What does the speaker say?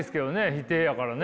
否定やからね。